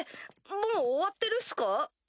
もう終わってるっすか？